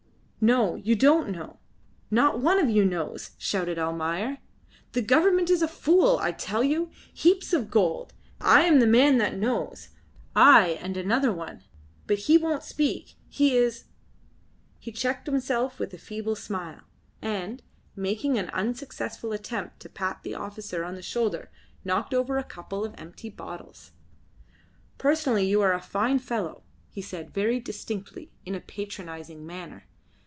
"No! You don't know. Not one of you knows!" shouted Almayer. "The government is a fool, I tell you. Heaps of gold. I am the man that knows; I and another one. But he won't speak. He is " He checked himself with a feeble smile, and, making an unsuccessful attempt to pat the officer on the shoulder, knocked over a couple of empty bottles. "Personally you are a fine fellow," he said very distinctly, in a patronising manner.